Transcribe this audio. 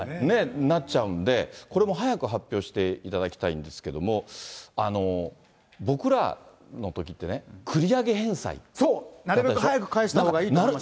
なっちゃうんで、これも早く発表していただきたいんですけれども、僕らのときってね、繰り上げ返済って、そう、なるべく早く返したほうがいいと思いましたよね。